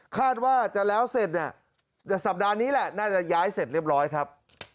คาดว่าจะแล้วเสร็จเนี่ยสัปดาห์นี้แหละน่าจะย้ายเสร็จเรียบร้อยครับ